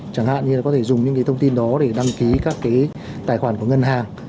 chẳng hạn như là có thể dùng những cái thông tin đó để đăng ký các cái tài khoản của ngân hàng